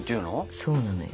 そうなのよ。